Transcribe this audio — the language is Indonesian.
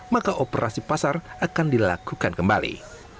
maka operasi pasar akan dilakukan kembali